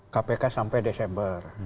kpk sampai desember